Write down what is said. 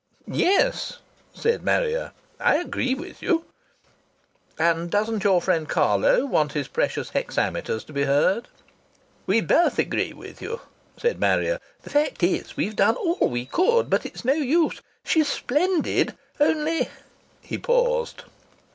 "Yes," said Marrier, "I agree with you " "And doesn't your friend Carlo want his precious hexameters to be heard?" "We baoth agree with you," said Marrier. "The fact is, we've done all we could, but it's no use. She's splendid, only " He paused.